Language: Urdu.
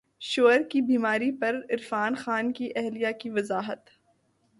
شوہر کی بیماری پر عرفان خان کی اہلیہ کی وضاحت